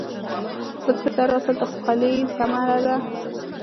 بزګر ته هر حاصل د خولې ثمره ده